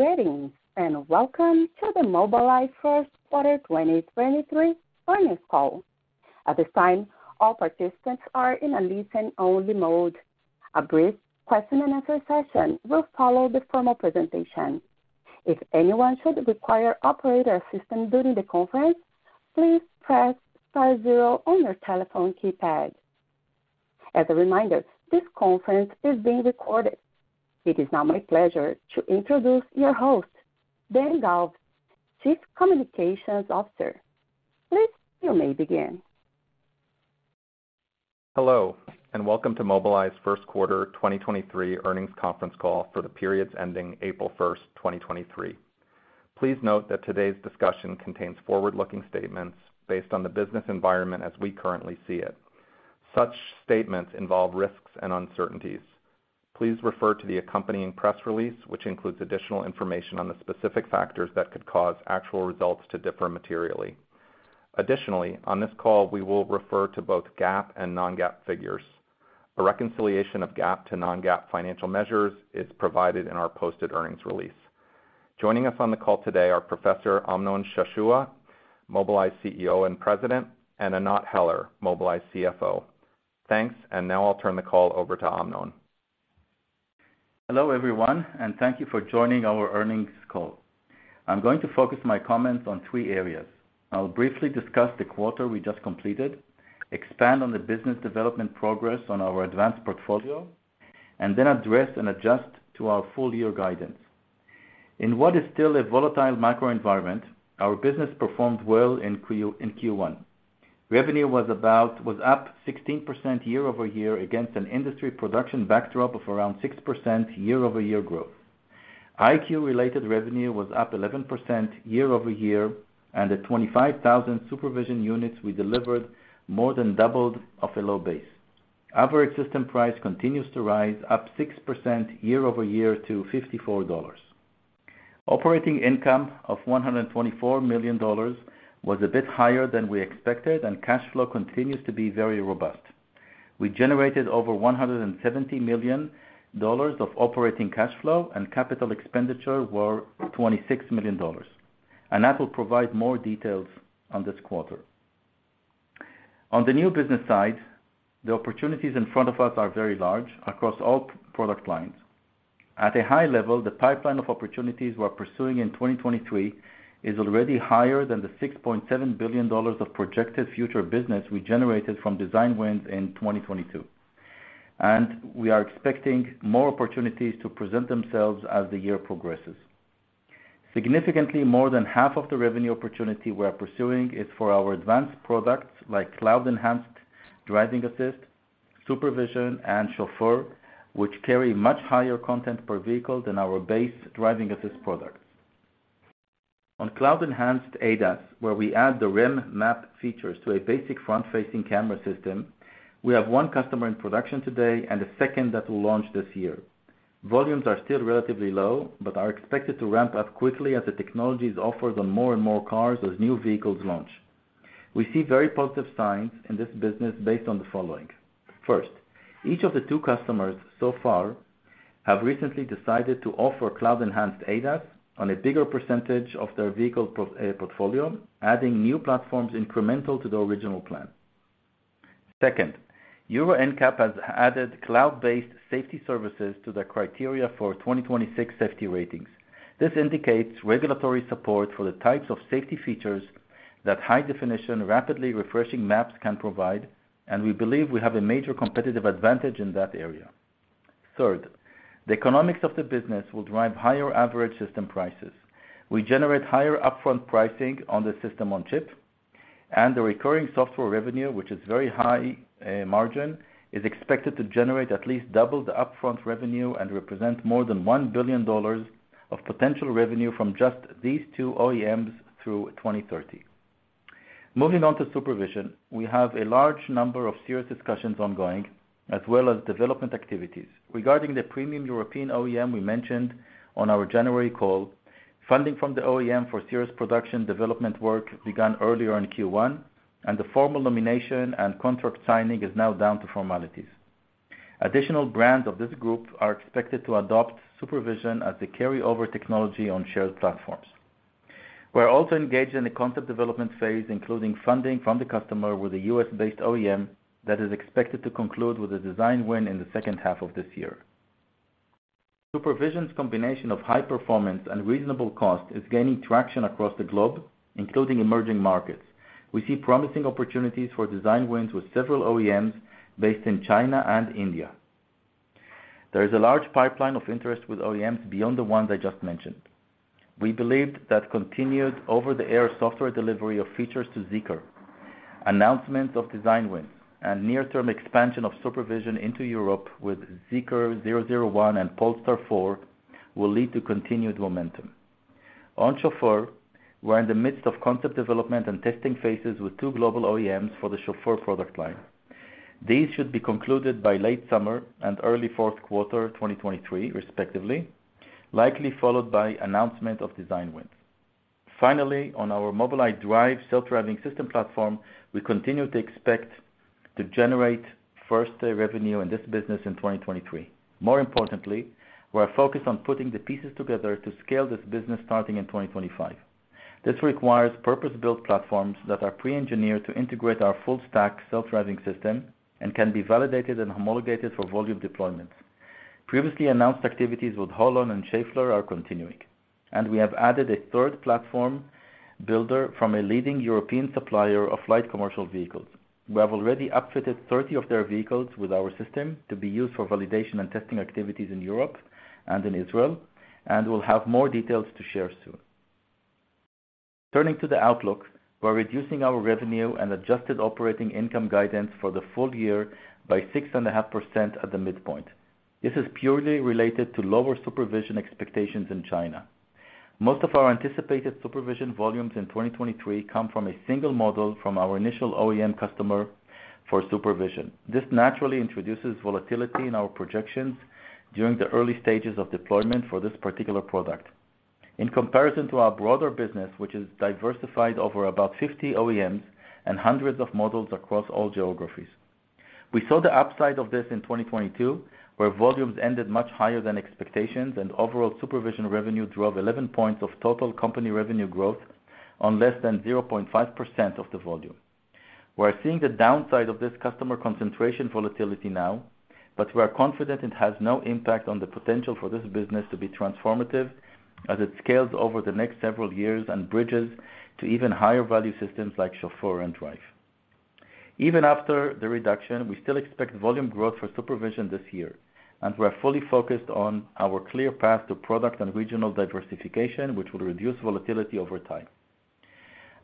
Greetings, welcome to the Mobileye Q1 2023 earnings call. At this time, all participants are in a listen-only mode. A brief question and answer session will follow the formal presentation. If anyone should require operator assistance during the conference, please press star zero on your telephone keypad. As a reminder, this conference is being recorded. It is now my pleasure to introduce your host, Dan Galves, Chief Communications Officer. Please, you may begin. Hello, and welcome to Mobileye's Q1 2023 earnings conference call for the periods ending April 1, 2023. Please note that today's discussion contains forward-looking statements based on the business environment as we currently see it. Such statements involve risks and uncertainties. Please refer to the accompanying press release, which includes additional information on the specific factors that could cause actual results to differ materially. Additionally, on this call, we will refer to both GAAP and non-GAAP figures. A reconciliation of GAAP to non-GAAP financial measures is provided in our posted earnings release. Joining us on the call today are Professor Amnon Shashua, Mobileye's CEO and President, and Anat Heller, Mobileye's CFO. Thanks, and now I'll turn the call over to Amnon. Hello, everyone, and thank you for joining our earnings call. I'm going to focus my comments on three areas. I'll briefly discuss the quarter we just completed, expand on the business development progress on our advanced portfolio, and then address and adjust to our full year guidance. In what is still a volatile macro environment, our business performed well in Q1. Revenue was up 16% year-over-year against an industry production backdrop of around 6% year-over-year growth. EyeQ-related revenue was up 11% year-over-year, and at 25,000 SuperVision units, we delivered more than doubled off a low base. Average system price continues to rise, up 6% year-over-year to $54. Operating income of $124 million was a bit higher than we expected, and cash flow continues to be very robust. We generated over $170 million of operating cash flow and capital expenditure were $26 million. Anat will provide more details on this quarter. On the new business side, the opportunities in front of us are very large across all product lines. At a high level, the pipeline of opportunities we're pursuing in 2023 is already higher than the $6.7 billion of projected future business we generated from design wins in 2022. And we are expecting more opportunities to present themselves as the year progresses. Significantly, more than half of the revenue opportunity we're pursuing is for our advanced products like Cloud-Enhanced Driver-Assist, SuperVision, and Chauffeur, which carry much higher content per vehicle than our base Driving Assist products. On Cloud-Enhanced ADAS, where we add the REM map features to a basic front-facing camera system, we have one customer in production today and a second that will launch this year. Volumes are still relatively low, but are expected to ramp up quickly as the technologies offer on more and more cars as new vehicles launch. We see very positive signs in this business based on the following. First, each of the two customers so far have recently decided to offer Cloud-Enhanced ADAS on a bigger percentage of their vehicle portfolio, adding new platforms incremental to the original plan. Second, Euro NCAP has added cloud-based safety services to the criteria for 2026 safety ratings. This indicates regulatory support for the types of safety features that high definition, rapidly refreshing maps can provide, and we believe we have a major competitive advantage in that area. Third, the economics of the business will drive higher average system prices. We generate higher upfront pricing on the system-on-chip, and the recurring software revenue, which is very high margin, is expected to generate at least double the upfront revenue and represent more than $1 billion of potential revenue from just these two OEMs through 2030. Moving on to SuperVision, we have a large number of serious discussions ongoing, as well as development activities. Regarding the premium European OEM we mentioned on our January call, funding from the OEM for serious production development work began earlier in Q1, and the formal nomination and contract signing is now down to formalities. Additional brands of this group are expected to adopt SuperVision as they carry over technology on shared platforms. We're also engaged in the concept development phase, including funding from the customer with a U.S.-based OEM that is expected to conclude with a design win in the second half of this year. SuperVision's combination of high performance and reasonable cost is gaining traction across the globe, including emerging markets. We see promising opportunities for design wins with several OEMs based in China and India. There is a large pipeline of interest with OEMs beyond the ones I just mentioned. We believed that continued over-the-air software delivery of features to Zeekr, announcement of design wins, and near-term expansion of SuperVision into Europe with Zeekr 001 and Polestar 4 will lead to continued momentum. On Chauffeur, we're in the midst of concept development and testing phases with two global OEMs for the Chauffeur product line. These should be concluded by late summer and early Q4 2023 respectively, likely followed by announcement of design wins. Finally, on our Mobileye Drive self-driving system platform, we continue to expect to generate first revenue in this business in 2023. More importantly, we are focused on putting the pieces together to scale this business starting in 2025. This requires purpose-built platforms that are pre-engineered to integrate our full stack self-driving system and can be validated and homologated for volume deployments. Previously announced activities with HOLON and Schaeffler are continuing, and we have added a third platform builder from a leading European supplier of light commercial vehicles. We have already upfitted 30 of their vehicles with our system to be used for validation and testing activities in Europe and in Israel, and we'll have more details to share soon. Turning to the outlook, we're reducing our revenue and adjusted operating income guidance for the full year by 6.5% at the midpoint. This is purely related to lower SuperVision expectations in China. Most of our anticipated SuperVision volumes in 2023 come from a single model from our initial OEM customer for SuperVision. This naturally introduces volatility in our projections during the early stages of deployment for this particular product. In comparison to our broader business, which is diversified over about 50 OEMs and hundreds of models across all geographies. We saw the upside of this in 2022, where volumes ended much higher than expectations, and overall SuperVision revenue drove 11 points of total company revenue growth on less than 0.5% of the volume. We're seeing the downside of this customer concentration volatility now, but we are confident it has no impact on the potential for this business to be transformative as it scales over the next several years and bridges to even higher value systems like Chauffeur and Drive. Even after the reduction, we still expect volume growth for SuperVision this year, and we're fully focused on our clear path to product and regional diversification, which will reduce volatility over time.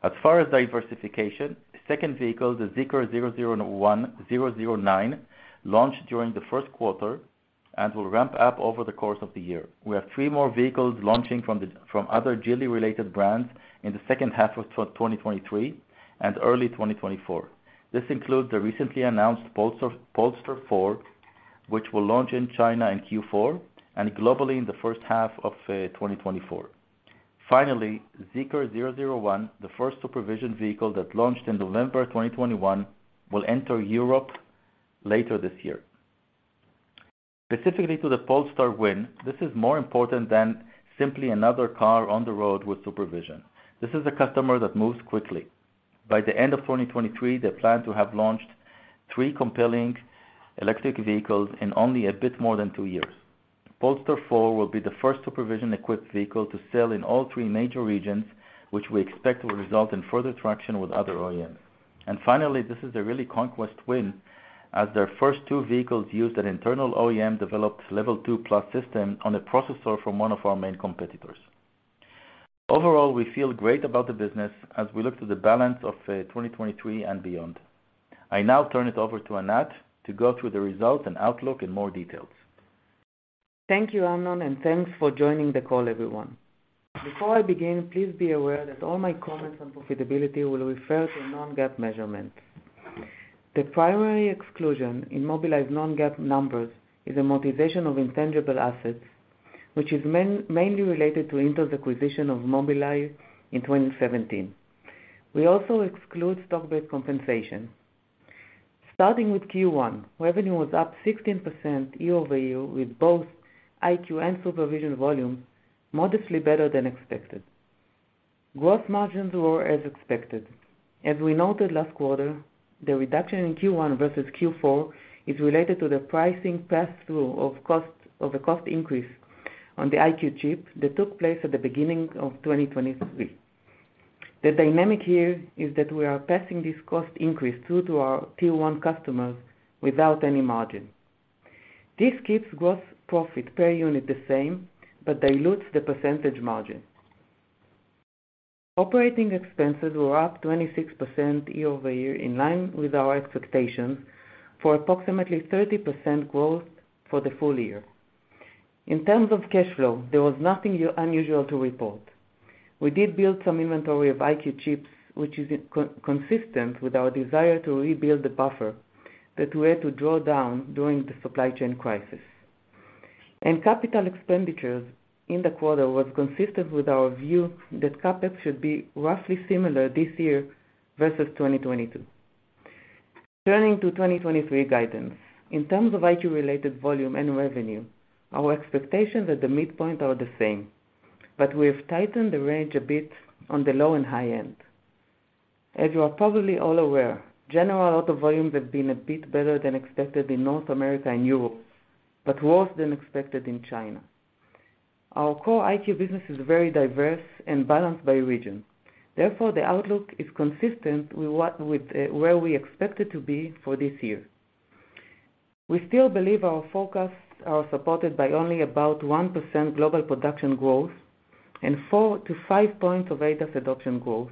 As far as diversification, second vehicle, the Zeekr 009, launched during the Q1 and will ramp up over the course of the year. We have three more vehicles launching from other Geely-related brands in the second half of 2023 and early 2024. This includes the recently announced Polestar 4, which will launch in China in Q4 and globally in the first half of 2024. Finally, Zeekr 001, the first SuperVision vehicle that launched in November 2021, will enter Europe later this year. Specifically to the Polestar win, this is more important than simply another car on the road with SuperVision. This is a customer that moves quickly. By the end of 2023, they plan to have launched three compelling electric vehicles in only a bit more than two years. Polestar 4 will be the first SuperVision-equipped vehicle to sell in all three major regions, which we expect will result in further traction with other OEMs. And finally, this is a really conquest win as their first two vehicles used an internal OEM-developed Level 2+ system on a processor from one of our main competitors. Overall, we feel great about the business as we look to the balance of, 2023 and beyond. I now turn it over to Anat to go through the results and outlook in more details. Thank you, Amnon, and thanks for joining the call, everyone. Before I begin, please be aware that all my comments on profitability will refer to a non-GAAP measurement. The primary exclusion in Mobileye's non-GAAP numbers is amortization of intangible assets, which is mainly related to Intel's acquisition of Mobileye in 2017. We also exclude stock-based compensation. Starting with Q1, revenue was up 16% year-over-year, with both EyeQ and SuperVision volume modestly better than expected. Gross margins were as expected. As we noted last quarter, the reduction in Q1 versus Q4 is related to the pricing pass-through of a cost increase on the EyeQ chip that took place at the beginning of 2023. The dynamic here is that we are passing this cost increase through to our tier one customers without any margin. This keeps gross profit per unit the same but dilutes the percentage margin. Operating expenses were up 26% year-over-year, in line with our expectations for approximately 30% growth for the full year. In terms of cash flow, there was nothing unusual to report. We did build some inventory of EyeQ chips, which is consistent with our desire to rebuild the buffer that we had to draw down during the supply chain crisis. And capital expenditures in the quarter was consistent with our view that CapEx should be roughly similar this year versus 2022. Turning to 2023 guidance. In terms of EyeQ-related volume and revenue, our expectations at the midpoint are the same, but we have tightened the range a bit on the low and high end. As you are probably all aware, general auto volumes have been a bit better than expected in North America and Europe, but worse than expected in China. Our core EyeQ business is very diverse and balanced by region. Therefore, the outlook is consistent with what, where we expect it to be for this year. We still believe our forecasts are supported by only about 1% global production growth and 4-5 points of ADAS adoption growth.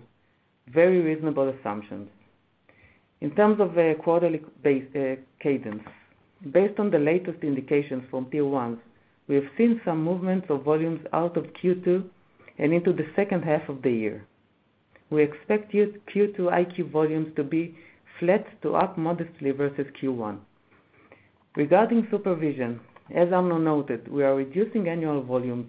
Very reasonable assumptions. In terms of a quarterly base, cadence. Based on the latest indications from tier ones, we have seen some movements of volumes out of Q2 and into the second half of the year. So we expect Q2 EyeQ volumes to be flat to up modestly versus Q1. Regarding SuperVision, as Amnon noted, we are reducing annual volumes,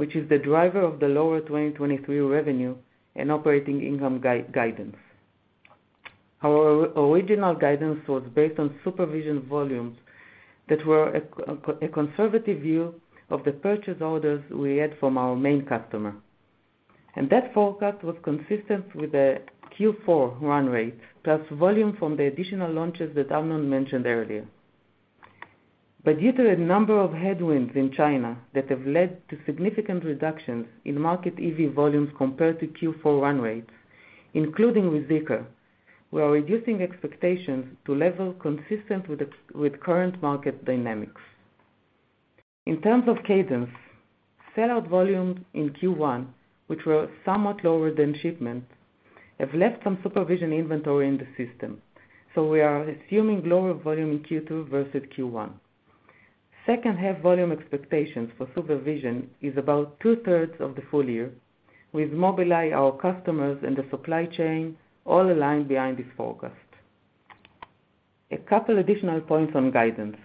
which is the driver of the lower 2023 revenue and operating income guidance. Our original guidance was based on SuperVision volumes that were a conservative view of the purchase orders we had from our main customer. And that forecast was consistent with the Q4 run rate, plus volume from the additional launches that Amnon mentioned earlier. But due to a number of headwinds in China that have led to significant reductions in market EV volumes compared to Q4 run rate, including with Zeekr, we are reducing expectations to level consistent with current market dynamics. In terms of cadence, sellout volumes in Q1, which were somewhat lower than shipment, have left some SuperVision inventory in the system. So we are assuming lower volume in Q2 versus Q1. Second half volume expectations for SuperVision is about two-thirds of the full year. We've mobilized our customers and the supply chain all aligned behind this forecast. A couple additional points on guidance.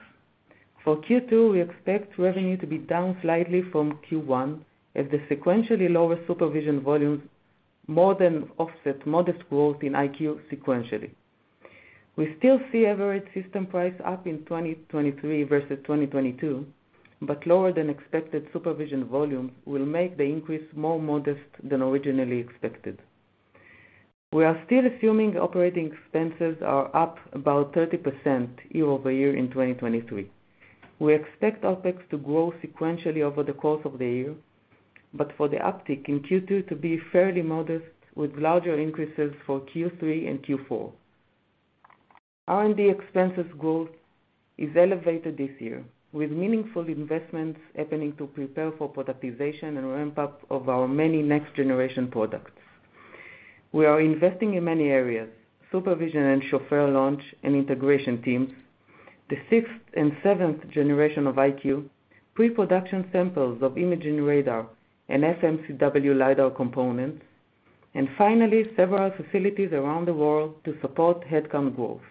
For Q2, we expect revenue to be down slightly from Q1 as the sequentially lower SuperVision volumes more than offset modest growth in EyeQ sequentially. We still see average system price up in 2023 versus 2022, lower than expected SuperVision volumes will make the increase more modest than originally expected. We are still assuming operating expenses are up about 30% year-over-year in 2023. We expect OpEx to grow sequentially over the course of the year, for the uptick in Q2 to be fairly modest with larger increases for Q3 and Q4. R&D expenses growth is elevated this year with meaningful investments happening to prepare for productization and ramp up of our many next generation products. We are investing in many areas, SuperVision and Chauffeur launch and integration teams, the sixth and seventh generation of EyeQ, pre-production samples of imaging radar and FMCW LiDAR components, and finally, several facilities around the world to support headcount growth.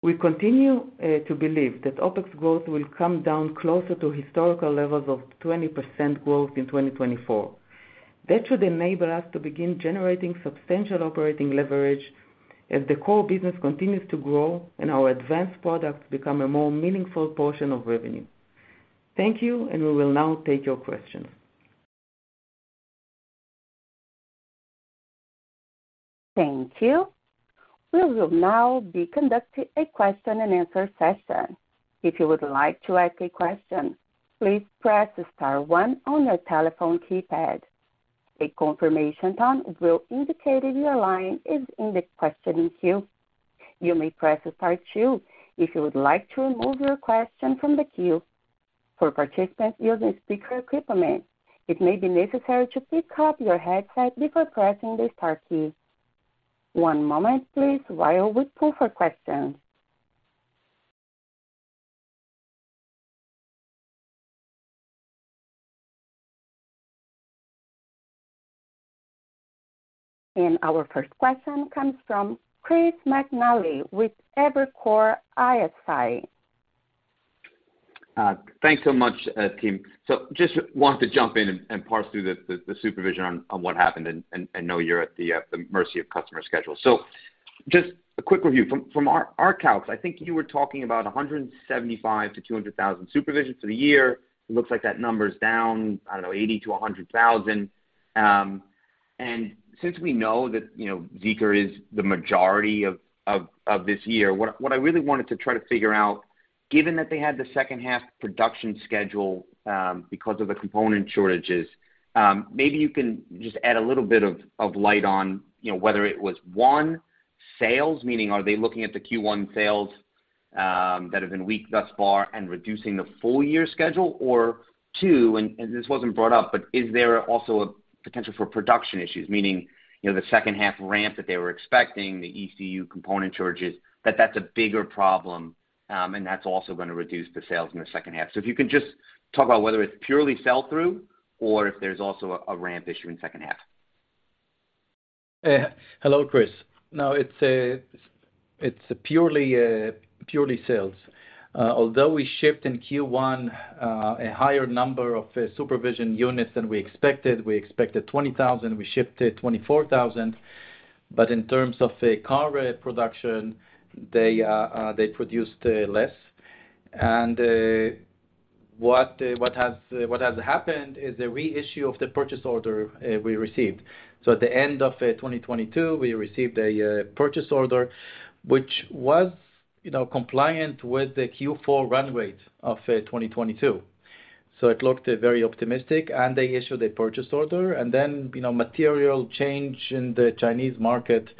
We continue to believe that OpEx growth will come down closer to historical levels of 20% growth in 2024. That should enable us to begin generating substantial operating leverage as the core business continues to grow and our advanced products become a more meaningful portion of revenue. Thank you, and we will now take your questions. Thank you. We will now be conducting a question and answer session. If you would like to ask a question, please press star one on your telephone keypad. A confirmation tone will indicate if your line is in the questioning queue. You may press star two if you would like to remove your question from the queue. For participants using speaker equipment, it may be necessary to pick up your headset before pressing the star key. One moment, please, while we pull for questions. Our first question comes from Chris McNally with Evercore ISI. Thanks so much, team. Just want to jump in and parse through the supervision on what happened and know you're at the mercy of customer schedule. So, just a quick review. From our calcs, I think you were talking about 175,000-200,000 SuperVision for the year. It looks like that number is down, I don't know, 80,000-100,000. And since we know that, you know, Zeekr is the majority of this year, what I really wanted to try to figure out, given that they had the second half production schedule, because of the component shortages, maybe you can just add a little bit of light on, you know, whether it was, one, sales, meaning are they looking at the Q1 sales that have been weak thus far and reducing the full year schedule? Or two, and this wasn't brought up, but is there also a potential for production issues, meaning, you know, the second half ramp that they were expecting, the ECU component shortages, that that's a bigger problem, and that's also going to reduce the sales in the second half. If you can just talk about whether it's purely sell-through or if there's also a ramp issue in second half. Hello, Chris. Now, it's a, it's purely purely sales. Although we shipped in Q1, a higher number of SuperVision units than we expected, we expected 20,000, we shipped it 24,000. But in terms of the car production, they produced less. And the, what has happened is a reissue of the purchase order, we received. At the end of 2022, we received a purchase order, which was, you know, compliant with the Q4 run rate of 2022. Sot looked very optimistic, and they issued a purchase order. You know, material change in the Chinese market,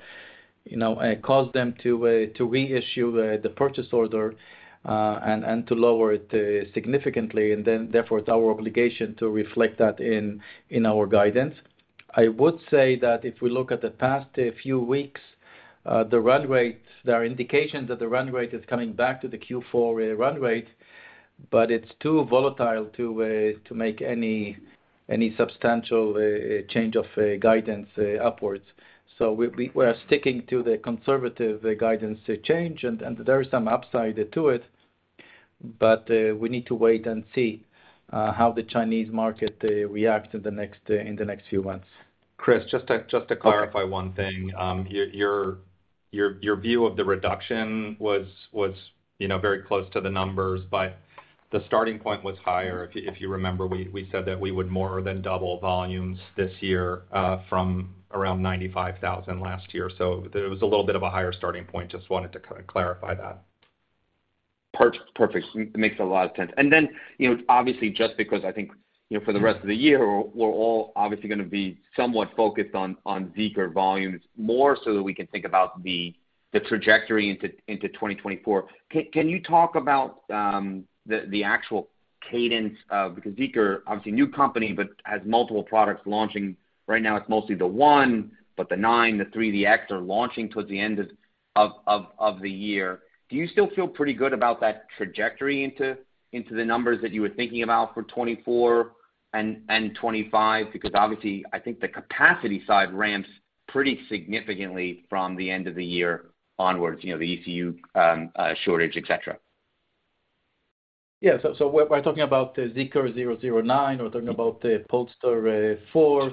you know, caused them to reissue the purchase order, and to lower it significantly, and then therefore it's our obligation to reflect that in our guidance. I would say that if we look at the past few weeks, the run rates, there are indications that the run rate is coming back to the Q4 run rate. But it's too volatile to make any substantial change of guidance upwards. So we're sticking to the conservative guidance change, and there is some upside to it, but we need to wait and see how the Chinese market react in the next few months. Chris, just to clarify one thing. Your view of the reduction was, you know, very close to the numbers, but the starting point was higher. If you remember, we said that we would more than double volumes this year, from around 95,000 last year. So there was a little bit of a higher starting point. Just wanted to kinda clarify that. Perfect. It makes a lot of sense. And then, you know, obviously just because I think, you know, for the rest of the year, we're all obviously gonna be somewhat focused on Zeekr volumes more so that we can think about the trajectory into 2024. Can you talk about the actual cadence of because Zeekr, obviously new company, but has multiple products launching. Right now it's mostly the 001, but the 009, 3DX are launching towards the end of the year. Do you still feel pretty good about that trajectory into the numbers that you were thinking about for 2024 and 2025? because obviously I think the capacity side ramps pretty significantly from the end of the year onwards, you know, the ECU shortage, et cetera. Yeah. So, we're talking about Zeekr 009, we're talking about the Polestar 4.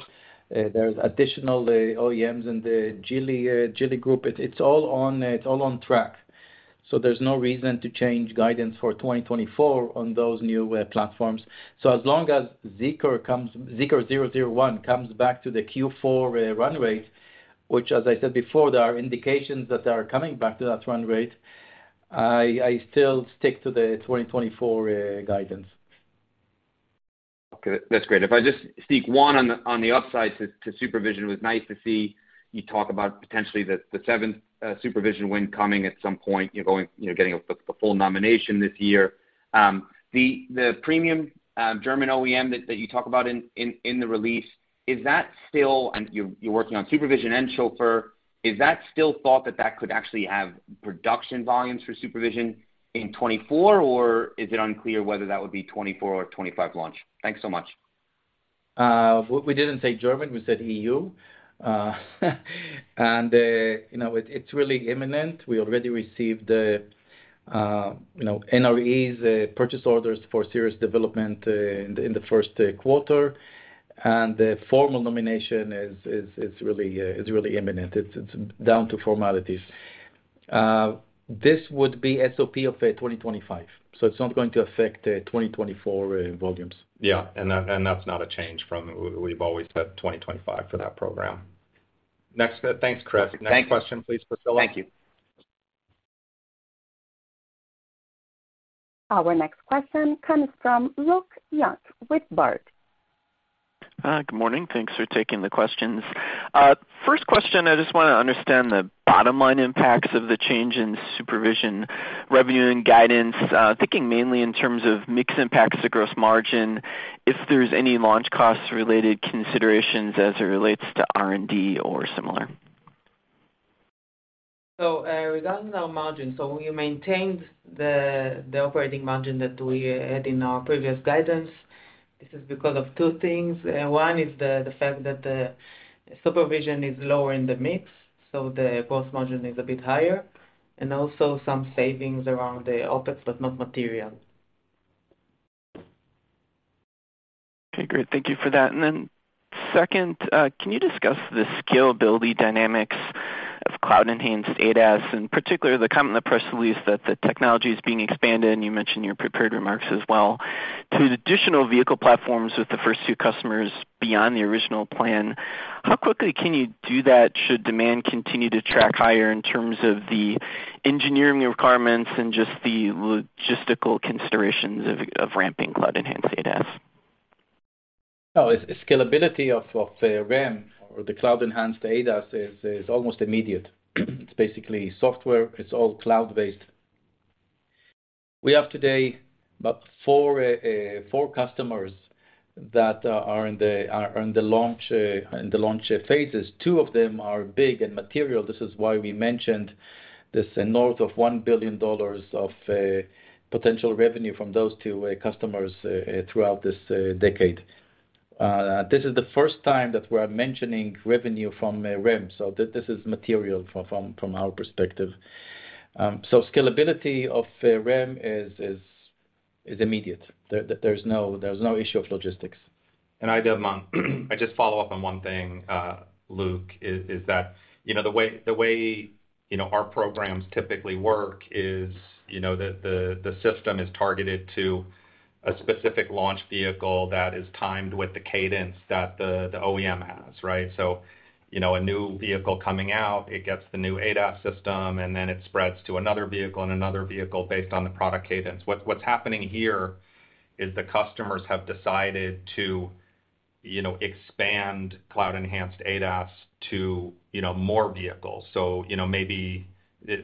There's additional OEMs in the Geely Group. It's all on track, there's no reason to change guidance for 2024 on those new platforms. So as long as Zeekr 001 comes back to the Q4 run rate, which, as I said before, there are indications that they are coming back to that run rate, I still stick to the 2024 guidance. Okay, that's great. If I just sneak one on the upside to SuperVision, it was nice to see you talk about potentially the seventh SuperVision win coming at some point, you know, going, you know, getting the full nomination this year. The premium German OEM that you talk about in the release, is that still and you're working on SuperVision and Chauffeur. Is that still thought that that could actually have production volumes for SuperVision in 2024, or is it unclear whether that would be 2024 or 2025 launch? Thanks so much. We didn't say German, we said EU. you know, it's really imminent. We already received the, you know, NREs, purchase orders for serious development, in the Q1. And the formal nomination is really imminent. It's down to formalities. This would be SOP of 2025, so it's not going to affect 2024 volumes. Yeah. And that's not a change from we've always said 2025 for that program. Next. Thanks, Chris. Thank you. Next question, please, Priscilla. Thank you. Our next question comes from Luke Junk with Baird. Good morning. Thanks for taking the questions. First question, I just wanna understand the bottom line impacts of the change in SuperVision revenue and guidance. Thinking mainly in terms of mix impacts to gross margin, if there's any launch costs related considerations as it relates to R&D or similar. So, egarding our margin, we maintained the operating margin that we had in our previous guidance. This is because of two things. One is the fact that the SuperVision is lower in the mix, so the gross margin is a bit higher, and also some savings around the OpEx, but not material. Okay, great. Thank you for that. Then second, can you discuss the scalability dynamics of Cloud-Enhanced ADAS, and particularly the comment in the press release that the technology is being expanded, and you mentioned your prepared remarks as well, to additional vehicle platforms with the first two customers beyond the original plan? How quickly can you do that should demand continue to track higher in terms of the engineering requirements and just the logistical considerations of ramping Cloud-Enhanced ADAS? No. Scalability of REM or the Cloud-Enhanced ADAS is almost immediate. It's basically software. It's all cloud-based. We have today about four customers that are in the launch phases. Two of them are big and material. This is why we mentioned this north of $1 billion of potential revenue from those two customers throughout this decade. This is the first time that we're mentioning revenue from REM, so this is material from our perspective. So scalability of REM is immediate. There's no issue of logistics. I'd just follow up on one thing, Luke, is that, you know, the way, you know, our programs typically work is, you know, the system is targeted to a specific launch vehicle that is timed with the cadence that the OEM has, right? So, you know, a new vehicle coming out, it gets the new ADAS system, and then it spreads to another vehicle and another vehicle based on the product cadence. What's, what's happening here is the customers have decided to, you know, expand Cloud-Enhanced ADAS to, you know, more vehicles. So, you know, maybe,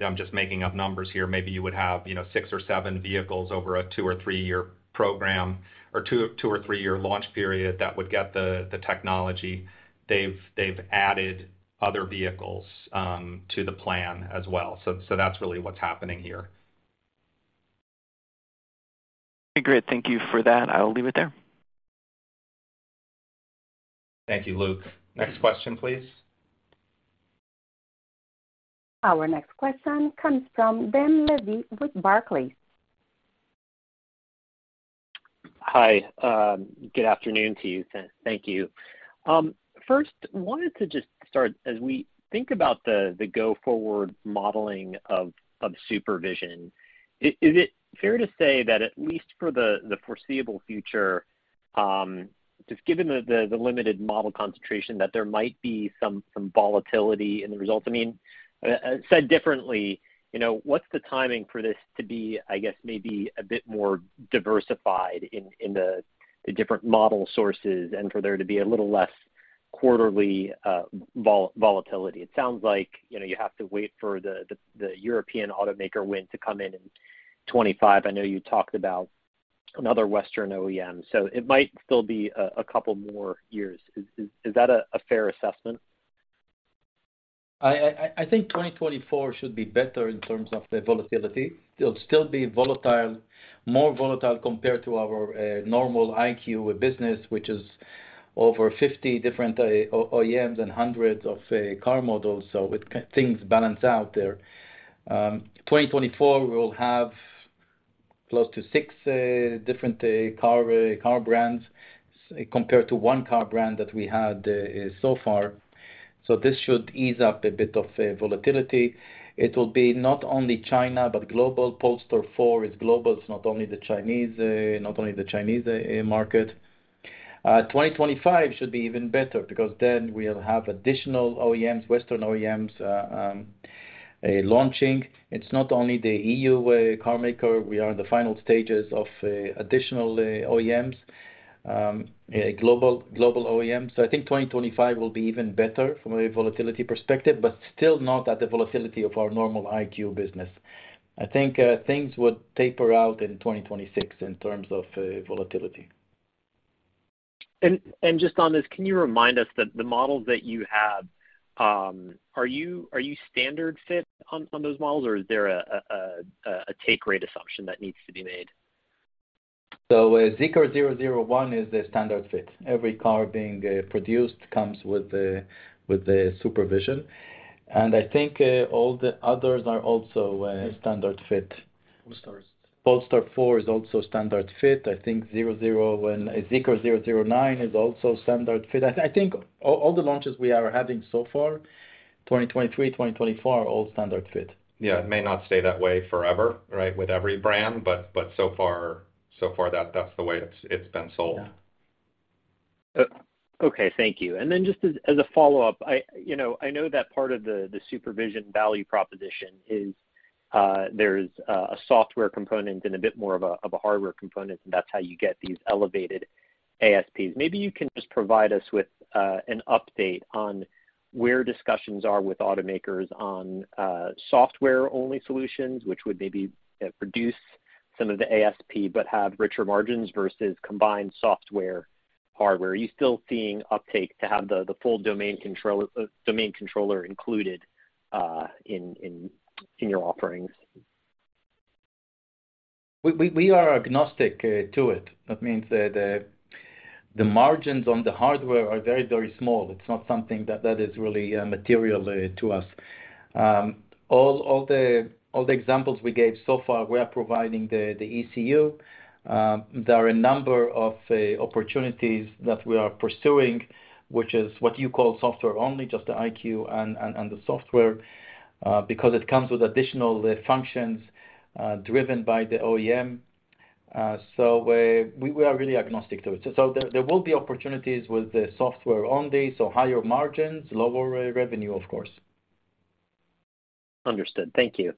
I'm just making up numbers here. Maybe you would have, you know, six or seven vehicles over a two or three-year program or two or three-year launch period that would get the technology. They've added other vehicles to the plan, as well. That's really what's happening here. Great. Thank you for that. I'll leave it there. Thank you, Luke. Next question, please. Our next question comes from Dan Levy with Barclays. Hi, good afternoon to you. Thank you. First wanted to just start, as we think about the go-forward modeling of SuperVision, is it fair to say that at least for the foreseeable future, just given the limited model concentration that there might be some volatility in the results? I mean, said differently, you know, what's the timing for this to be, I guess, maybe a bit more diversified in the different model sources and for there to be a little less quarterly volatility? It sounds like, you know, you have to wait for the European automaker win to come in in 2025. I know you talked about another Western OEM, so it might still be a couple more years. Is that a fair assessment? I think 2024 should be better in terms of the volatility. It'll still be volatile, more volatile compared to our normal EyeQ business, which is over 50 different OEMs and hundreds of car models. With things balance out there. 2024, we'll have close to six different car brands compared to one car brand that we had so far. So this should ease up a bit of volatility. It will be not only China, but global. Polestar 4 is global, it's not only the Chinese, not only the Chinese market. 2025 should be even better because then we'll have additional OEMs, Western OEMs launching. It's not only the EU car maker, we are in the final stages of additional OEMs, global OEMs. So I think 2025 will be even better from a volatility perspective, but still not at the volatility of our normal EyeQ business. I think things would taper out in 2026 in terms of volatility. And just on this, can you remind us that the models that you have, are you standard fit on those models, or is there a take rate assumption that needs to be made? So Zeekr 001 is the standard fit. Every car being produced comes with the SuperVision. And I think all the others are also standard fit. Polestar is. Polestar 4 is also standard fit. I think Zeekr 009 is also standard fit. I think all the launches we are having so far, 2023, 2024, are all standard fit. Yeah. It may not stay that way forever, right, with every brand, but so far that's the way it's been sold. Yeah. Okay, thank you. And then just as a follow-up, I know that part of the SuperVision value proposition is, there's a software component and a bit more of a hardware component, and that's how you get these elevated ASPs. Maybe you can just provide us with an update on where discussions are with automakers on software-only solutions, which would maybe reduce some of the ASP but have richer margins versus combined software hardware. Are you still seeing uptake to have the full domain controller included in your offerings? We, we are agnostic to it. That means that the margins on the hardware are very, very small. It's not something that is really material to us. All the examples we gave so far, we are providing the ECU. There are a number of opportunities that we are pursuing, which is what you call software only, just the EyeQ and the software, because it comes with additional functions driven by the OEM. So we are really agnostic to it. There will be opportunities with the software only, so higher margins, lower revenue, of course. Understood. Thank you.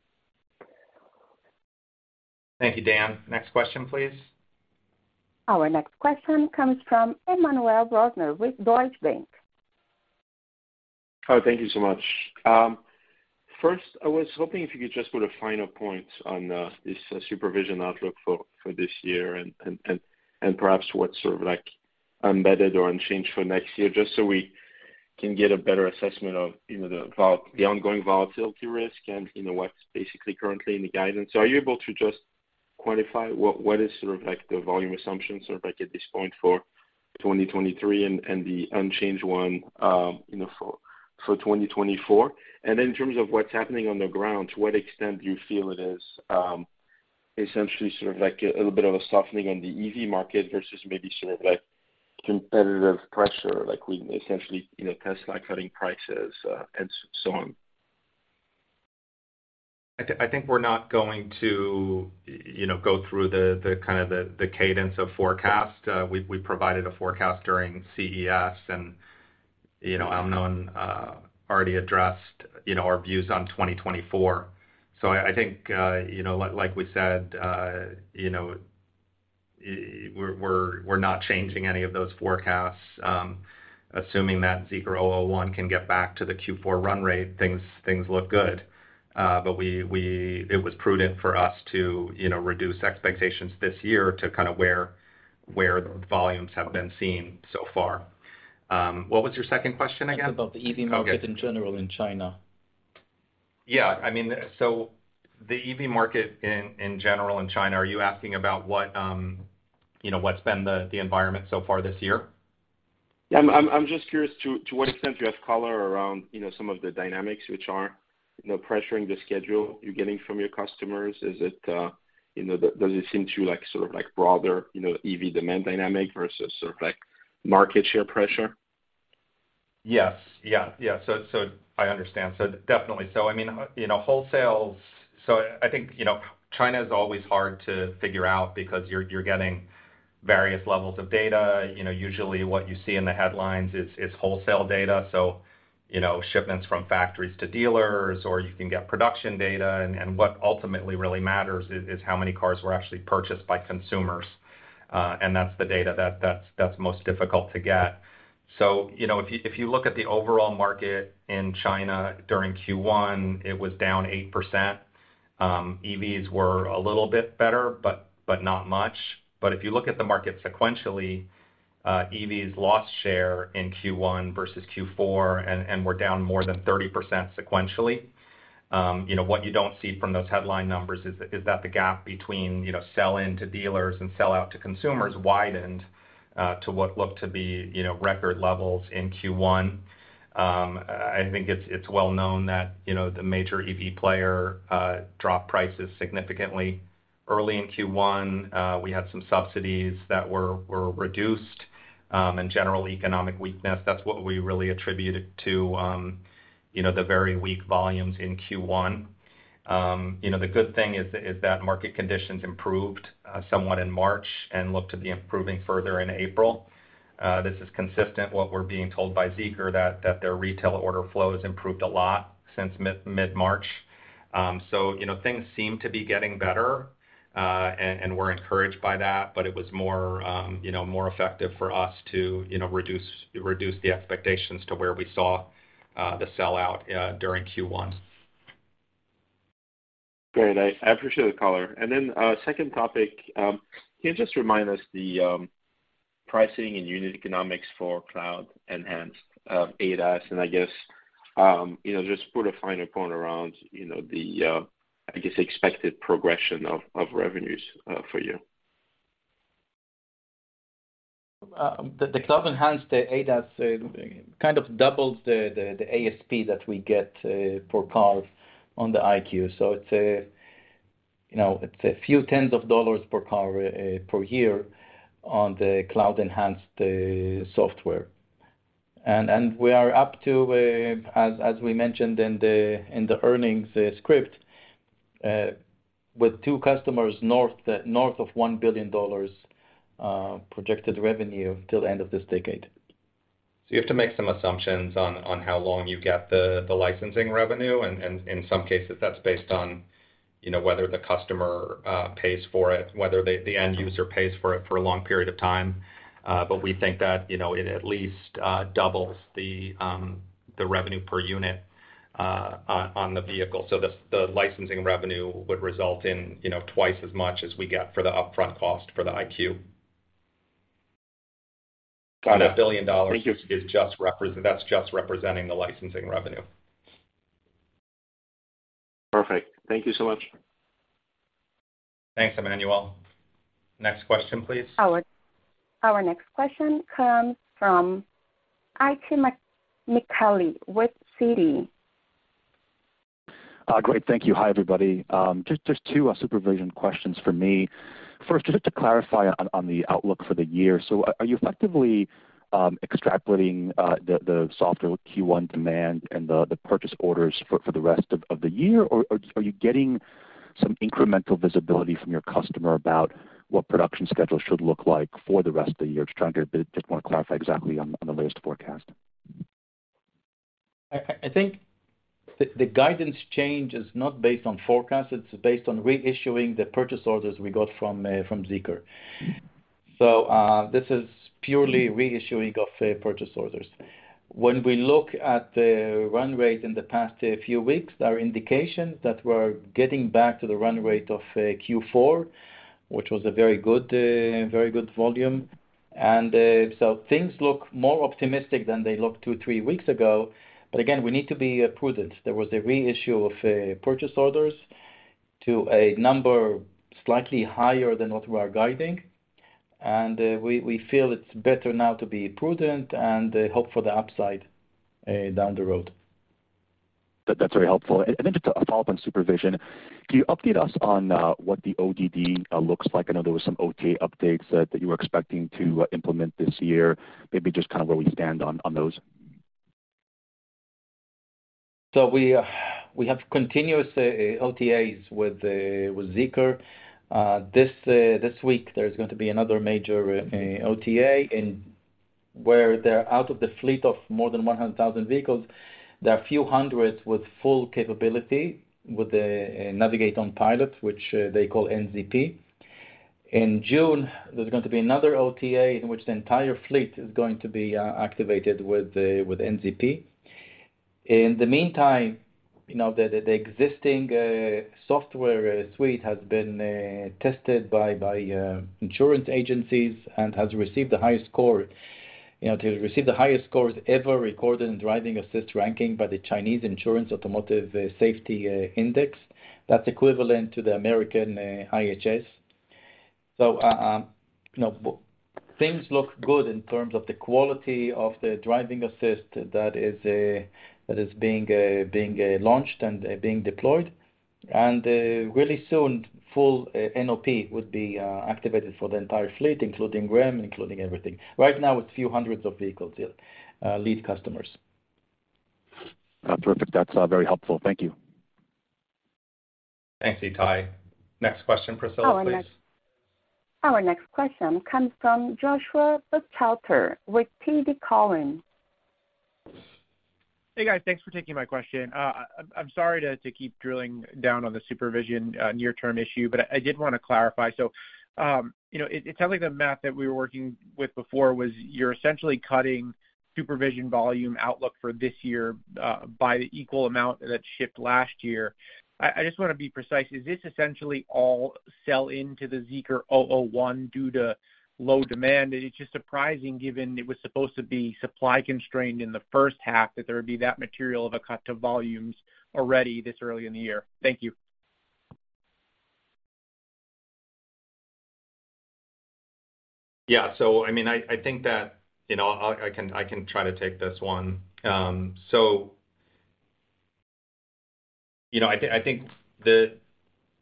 Thank you, Dan. Next question, please. Our next question comes from Emmanuel Rosner with Deutsche Bank. Thank you so much. First, I was hoping if you could just put a final point on this SuperVision outlook for this year and perhaps what's sort of like embedded or unchanged for next year, just so we can get a better assessment of, you know, the ongoing volatility risk and, you know, what's basically currently in the guidance. Are you able to just quantify what is sort of like the volume assumption, sort of like at this point for 2023 and the unchanged one, you know, for 2024? And in terms of what's happening on the ground, to what extent do you feel it is, essentially sort of like a little bit of a softening on the EV market versus maybe sort of like competitive pressure, like with essentially, you know, Tesla cutting prices, and so on? I think we're not going to, you know, go through the kind of the cadence of forecast. We provided a forecast during CES and, you know, Amnon, already addressed, you know, our views on 2024. So, I think, you know, like we said, you know, we're not changing any of those forecasts. Assuming that Zeekr 001 can get back to the Q4 run rate, things look good. It was prudent for us to, you know, reduce expectations this year to kind of where volumes have been seen so far. What was your second question again? Just about the EV market in general in China. Yeah. I mean, so the EV market in general in China, are you asking about what, you know, what's been the environment so far this year? Yeah. I'm just curious to what extent you have color around, you know, some of the dynamics which are, you know, pressuring the schedule you're getting from your customers. Is it, you know, does it seem to you like sort of like broader, you know, EV demand dynamic versus sort of like market share pressure? Yes. Yes. Yeah. I understand. Definitely. I mean, you know, I think, you know, China's always hard to figure out because you're getting various levels of data. You know, usually what you see in the headlines is wholesale data, so, you know, shipments from factories to dealers, or you can get production data. And what ultimately really matters is how many cars were actually purchased by consumers, and that's the data that's most difficult to get. So, you know, if you look at the overall market in China during Q1, it was down 8%. EVs were a little bit better, but not much. But if you look at the market sequentially, EVs lost share in Q1 versus Q4 and were down more than 30% sequentially. You know, what you don't see from those headline numbers is that the gap between, you know, sell-in to dealers and sell out to consumers widened to what looked to be, you know, record levels in Q1. I think it's well known that, you know, the major EV player dropped prices significantly early in Q1. We had some subsidies that were reduced and general economic weakness. That's what we really attributed to, you know, the very weak volumes in Q1. You know, the good thing is that market conditions improved somewhat in March and look to be improving further in April. This is consistent what we're being told by Zeekr that their retail order flow has improved a lot since mid-March. So, you know, things seem to be getting better, and we're encouraged by that, but it was more, you know, more effective for us to, you know, reduce the expectations to where we saw the sell out during Q1. Great. I appreciate the color. And then second topic, can you just remind us the pricing and unit economics for Cloud-Enhanced ADAS? I guess, you know, just put a finer point around, you know, the I guess, expected progression of revenues for you. The Cloud-Enhanced ADAS kind of doubles the ASP that we get per car on the EyeQ. So it's, you know, it's a few tens of dollars per car per year on the Cloud-Enhanced software. And we are up to, as we mentioned in the earnings script, with two customers north of $1 billion projected revenue till end of this decade. You have to make some assumptions on how long you get the licensing revenue. In some cases, that's based on, you know, whether the customer pays for it, whether the end user pays for it for a long period of time. But we think that, you know, it at least doubles the revenue per unit on the vehicle. So the licensing revenue would result in, you know, twice as much as we get for the upfront cost for the EyeQ. Got it. $1 billion. Thank you. Is just representing the licensing revenue. Perfect. Thank you so much. Thanks, Emmanuel. Next question, please. Our next question comes from Itay Michaeli with Citi. Great. Thank you. Hi, everybody. Just two SuperVision questions for me. First, just to clarify on the outlook for the year. So, are you effectively extrapolating the software Q1 demand and the purchase orders for the rest of the year? Are you getting some incremental visibility from your customer about what production schedule should look like for the rest of the year? Just wanna clarify exactly on the latest forecast. I think the guidance change is not based on forecast, it's based on reissuing the purchase orders we got from Zeekr. Mm-hmm. So, this is purely reissuing of purchase orders. When we look at the run rate in the past few weeks, there are indications that we're getting back to the run rate of Q4, which was a very good, very good volume. And the things look more optimistic than they looked two, three weeks ago. But again, we need to be prudent. There was a reissue of purchase orders to a number slightly higher than what we are guiding. We feel it's better now to be prudent and hope for the upside down the road. That's very helpful. And then just a follow-up on SuperVision. Can you update us on what the ODD looks like? I know there was some OTA updates that you were expecting to implement this year. Maybe just kind of where we stand on those. So we have continuous OTAs with Zeekr. This week, there's going to be another major OTA out of the fleet of more than 100,000 vehicles. There are few hundred with full capability, with the navigation on pilot, which they call NZP. In June, there's going to be another OTA in which the entire fleet is going to be activated with NZP. In the meantime, you know, the existing software suite has been tested by insurance agencies and has received the highest scores ever recorded in driving assist ranking by the China Insurance Automotive Safety Index. That's equivalent to the American IHS. So, you know, things look good in terms of the quality of the driving assist that is being launched and being deployed. really soon, full NOP would be activated for the entire fleet, including REM, including everything. Right now, it's a few hundreds of vehicles here, lead customers. Perfect. That's very helpful. Thank you. Thanks, Itay. Next question, Priscilla, please. Our next question comes from Joshua Buchalter with TD Cowen. Hey, guys. Thanks for taking my question. I'm sorry to keep drilling down on the SuperVision near-term issue, but I did wanna clarify. You know, it sounds like the math that we were working with before was you're essentially cutting SuperVision volume outlook for this year by the equal amount that shipped last year. I just wanna be precise. Is this essentially all sell into the Zeekr 001 due to low demand? It's just surprising given it was supposed to be supply constrained in the first half that there would be that material of a cut to volumes already this early in the year. Thank you. Yeah. So, I mean, I think that, you know, I can try to take this one. So, you know, I think the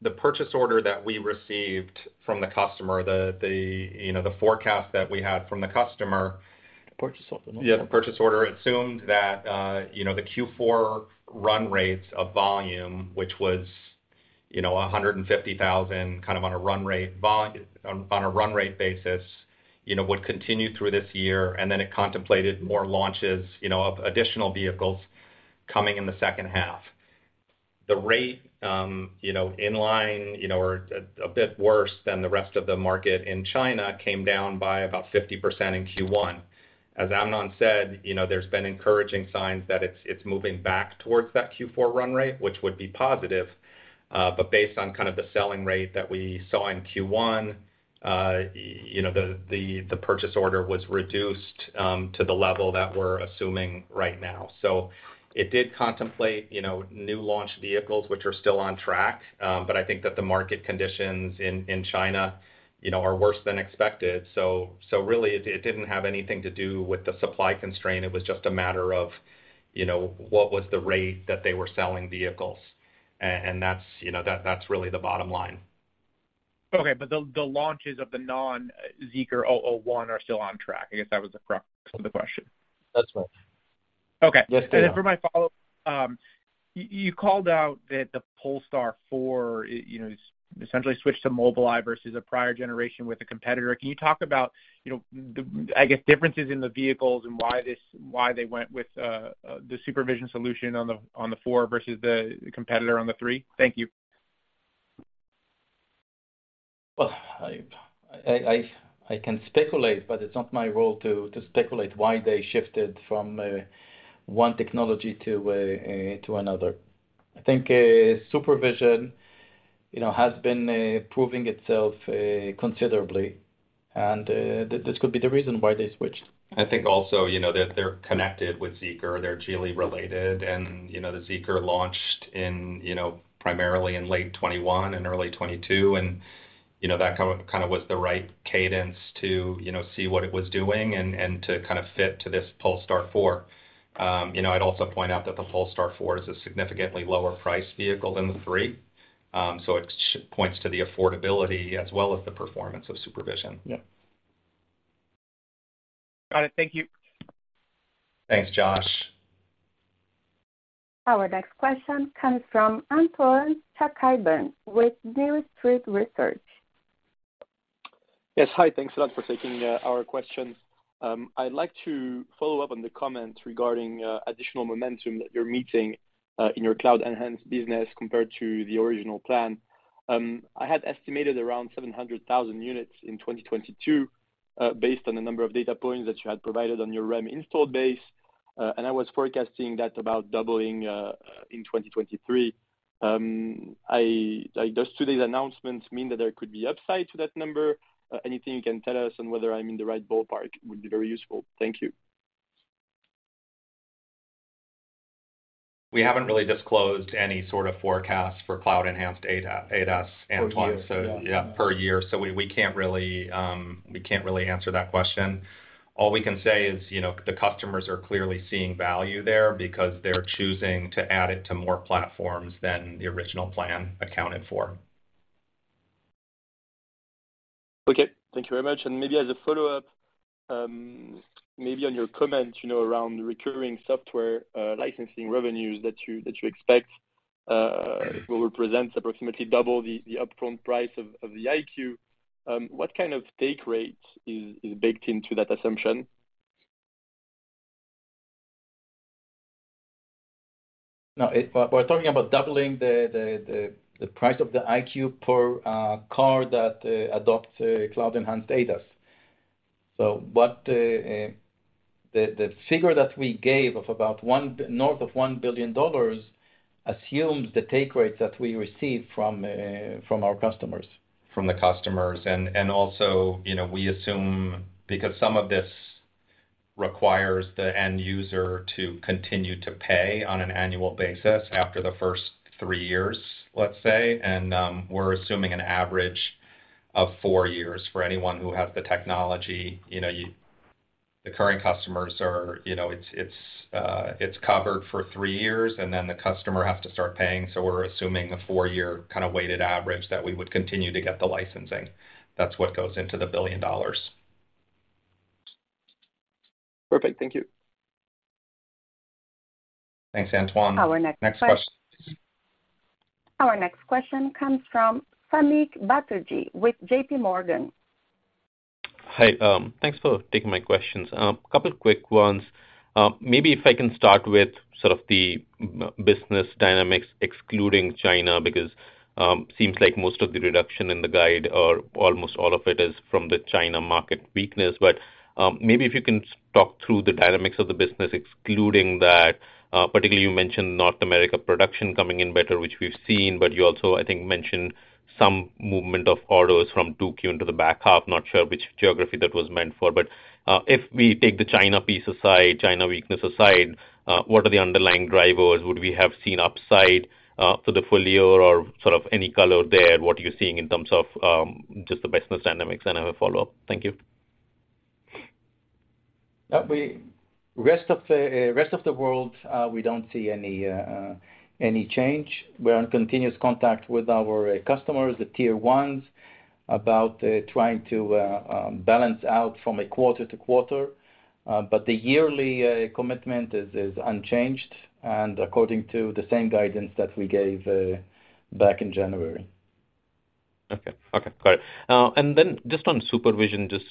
purchase order that we received from the customer, the forecast that we had from the customer. Purchase order. The purchase order assumed that, you know, the Q4 run rates of volume, which was, you know, 150,000 kind of on a run rate basis, you know, would continue through this year. And it contemplated more launches, you know, of additional vehicles coming in the second half. The rate, you know, in line, you know, or a bit worse than the rest of the market in China came down by about 50% in Q1. As Amnon said, you know, there's been encouraging signs that it's moving back towards that Q4 run rate, which would be positive. Based on kind of the selling rate that we saw in Q1, you know, the purchase order was reduced to the level that we're assuming right now. So, it did contemplate, you know, new launch vehicles, which are still on track, but I think that the market conditions in China, you know, are worse than expected. So rSeally, it didn't have anything to do with the supply constraint. It was just a matter of, you know, what was the rate that they were selling vehicles. And that's, you know, that's really the bottom line. Okay. The launches of the non-Zeekr 001 are still on track. I guess that was the crux of the question. That's right. Okay. Yes. They are. Then for my follow-up, you called out that the Polestar 4, you know, essentially switched to Mobileye versus a prior generation with a competitor. Can you talk about, you know, the, I guess, differences in the vehicles and why they went with the SuperVision solution on the 4 versus the competitor on the 3? Thank you. I can speculate, but it's not my role to speculate why they shifted from one technology to another. I think SuperVision, you know, has been proving itself considerably, and this could be the reason why theAnd, y switched. I think also, you know, that they're connected with Zeekr. They're Geely related, and, you know, the Zeekr launched in, you know, primarily in late 2021 and early 2022. And, you know, that kind of was the right cadence to, you know, see what it was doing and to kind of fit to this Polestar 4. You know, I'd also point out that the Polestar 4 is a significantly lower price vehicle than the 3, so it points to the affordability as well as the performance of SuperVision. Yeah. Got it. Thank you. Thanks, Josh. Our next question comes from Antoine Chkaiban with New Street Research. Yes. Hi. Thanks a lot for taking our questions. I'd like to follow up on the comments regarding additional momentum that you're meeting in your Cloud-Enhanced business compared to the original plan. I had estimated around 700,000 units in 2022, based on the number of data points that you had provided on your REM install base. I was forecasting that about doubling in 2023. Does today's announcements mean that there could be upside to that number? Anything you can tell us on whether I'm in the right ballpark would be very useful. Thank you. We haven't really disclosed any sort of forecast for Cloud-Enhanced ADA, ADAS, Antoine. Per year. Yeah. Yeah, per year. We can't really answer that question. All we can say is, you know, the customers are clearly seeing value there because they're choosing to add it to more platforms than the original plan accounted for. Okay. Thank you very much. And maybe as a follow-up, maybe on your comment, you know, around recurring software licensing revenues that you expect will represent approximately double the upfront price of the EyeQ. What kind of take rate is baked into that assumption? No, if we're talking about doubling the price of the EyeQ per car that adopts Cloud-Enhanced ADAS. What the figure that we gave of about north of $1 billion assumes the take rates that we receive from our customers. From the customers. And also, you know, we assume because some of this requires the end user to continue to pay on an annual basis after the first three years, let's say, and, we're assuming an average of four years for anyone who has the technology. You know, the current customers are, you know, it's covered for three years, and then the customer has to start paying. So we're assuming a four-year kind of weighted average that we would continue to get the licensing. That's what goes into the $1 billion. Perfect. Thank you. Thanks, Antoine. Our next question... Next question. Our next question comes from Samik Chatterjee with JPMorgan. Hi. Thanks for taking my questions. A couple quick ones. Maybe if I can start with sort of the business dynamics excluding China, because seems like most of the reduction in the guide or almost all of it is from the China market weakness. Maybe if you can talk through the dynamics of the business excluding that, particularly you mentioned North America production coming in better, which we've seen, but you also, I think, mentioned some movement of orders from 2Q into the back half. Not sure which geography that was meant for. If we take the China piece aside, China weakness aside, what are the underlying drivers? Would we have seen upside for the full year or sort of any color there? What are you seeing in terms of just the business dynamics? I have a follow-up. Thank you. Rest of the world, we don't see any change. We're in continuous contact with our customers, the tier ones, about trying to balance out from a quarter to quarter. But the yearly commitment is unchanged, and according to the same guidance that we gave back in January. Okay. Okay, got it. And then just on SuperVision, just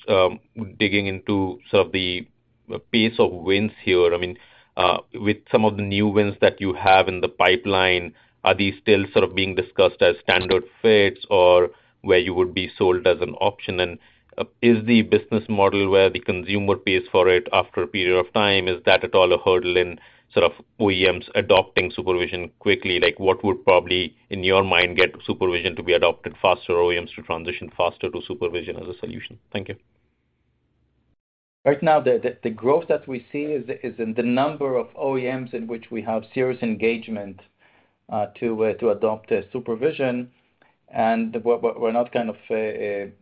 digging into sort of the pace of wins here. I mean, with some of the new wins that you have in the pipeline, are these still sort of being discussed as standard fits or where you would be sold as an option? Is the business model where the consumer pays for it after a period of time, is that at all a hurdle in sort of OEMs adopting SuperVision quickly? Like, what would probably, in your mind, get SuperVision to be adopted faster, OEMs to transition faster to SuperVision as a solution? Thank you. Right now, the growth that we see is in the number of OEMs in which we have serious engagement to adopt the SuperVision. And we're not kind of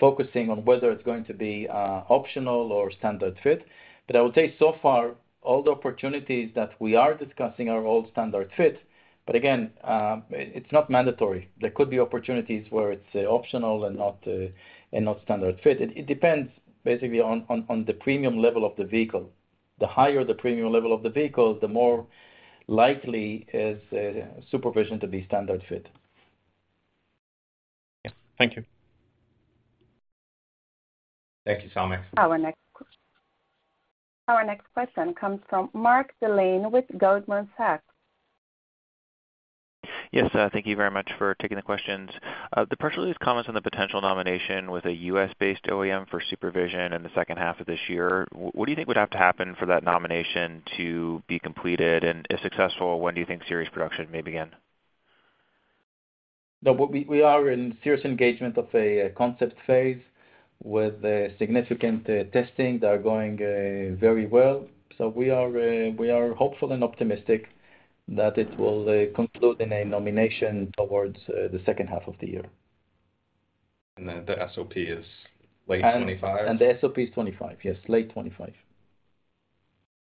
focusing on whether it's going to be optional or standard fit. I would say so far, all the opportunities that we are discussing are all standard fit. But again, it's not mandatory. There could be opportunities where it's optional and not standard fit. It depends basically on the premium level of the vehicle. The higher the premium level of the vehicle, the more likely is SuperVision to be standard fit. Yeah. Thank you. Thank you, Samik. Our next question comes from Mark Delaney with Goldman Sachs. YeAnd i, thank you very much for taking the questions. The press release comments on the potential nomination with a U.S.-based OEM for SuperVision in the second half of this year. What do you think would have to happen for that nomination to be completed? And if successful, when do you think series production may begin? We are in serious engagement of a concept phase with significant testing that are going very well. We are hopeful and optimistic that it will conclude in a nomination towards the second half of the year. The SOP is late 2025? The SOP is 2025. Yes, late 2025.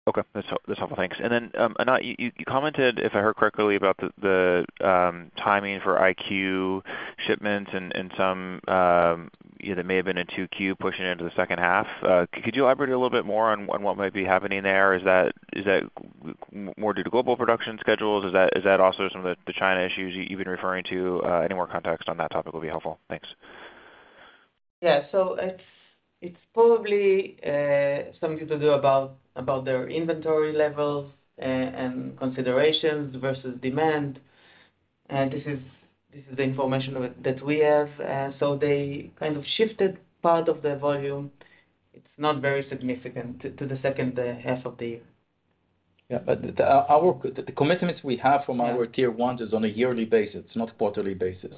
Okay. That's helpful. Thanks. And then Anat, you commented, if I heard correctly, about the timing for EyeQ shipments and some, you know, that may have been in 2Q pushing into the second half. Could you elaborate a little bit more on what might be happening there? Is that more due to global production schedules? Is that also some of the China issues you've been referring to? Any more context on that topic will be helpful. Thanks. Yeah. It's probably something to do about their inventory levels and considerations versus demand. This is the information that we have. So they kind of shifted part of the volume, it's not very significant, to the second half of the year. Yeah. The commitments we have from our tier ones is on a yearly basis, not quarterly basis.